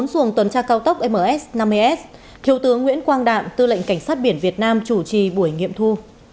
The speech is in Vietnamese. xuồng tuần tra cao tốc ms năm mươi s thiếu tướng nguyễn quang đạm tư lệnh cảnh sát biển việt nam chủ trì buổi nghiệm thu